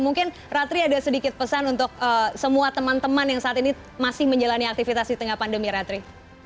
mungkin ratri ada sedikit pesan untuk semua teman teman yang saat ini masih menjalani aktivitas di tengah pandemi ratri